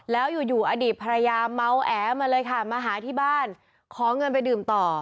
แล้วอยู่อยู่อดีตภรรยาเมาแอมาเลยค่ะมาหาที่บ้านขอเงินไปดื่มต่อ